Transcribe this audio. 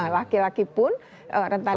laki laki pun rentan